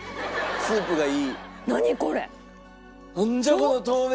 スープがいい。